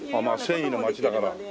まあ繊維の街だから。